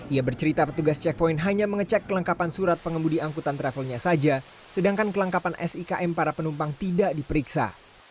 ia bercerita petugas checkpoint hanya mengecek kelengkapan surat pengemudi angkutan travelnya saja sedangkan kelengkapan sikm para penumpang tidak diperiksa